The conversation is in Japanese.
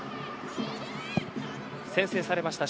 先制されました。